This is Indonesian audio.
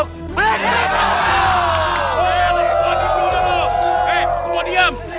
eh semua diam